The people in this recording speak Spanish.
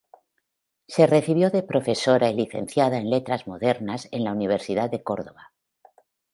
Se recibió de Profesora y Licenciada en Letras Modernas en la Universidad de Córdoba.